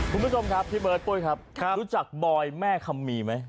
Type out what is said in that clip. คุณผู้ชมครับพี่เบิร์ดปุ้ยครับรู้จักบอยแม่คำมีไหม